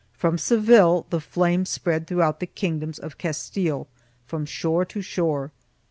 1 From Seville the flame spread through the kingdoms of Castile from shore to shore.